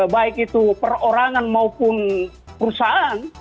baik itu perorangan maupun perusahaan